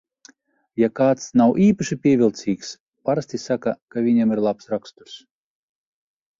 Ja kāds nav īpaši pievilcīgs, parasti saka, ka viņam ir labs raksturs.